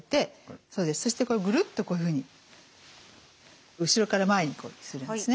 そしてぐるっとこういうふうに後ろから前にするんですね。